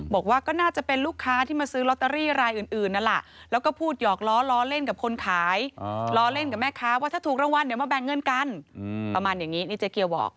บอกว่าก็น่าจะเป็นลูกค้าที่มาซื้อลอตเตอรี่รายอื่นนั่นแหละแล้วก็พูดหยอกล้อล้อเล่นกับคนขายล้อเล่นกับแม่ค้าว่าถ้าถูกรางวัลเดี๋ยวมาแบ่งเงินกันประมาณอย่างนี้นี่เจ๊เกียวบอก